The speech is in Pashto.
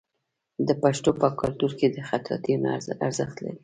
د پښتنو په کلتور کې د خطاطۍ هنر ارزښت لري.